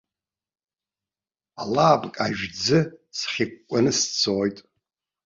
Алаапк ажәӡы схьыкәкәаны сцоит!